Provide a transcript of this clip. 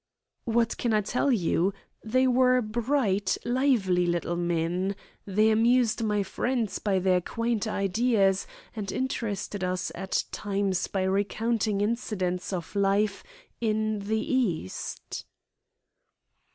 "What can I tell you? They were bright, lively little men. They amused my friends by their quaint ideas, and interested us at times by recounting incidents of life in the East."